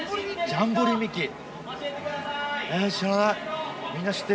「ジャンボリミッキー！」